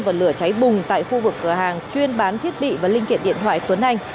và lửa cháy bùng tại khu vực cửa hàng chuyên bán thiết bị và linh kiện điện thoại tuấn anh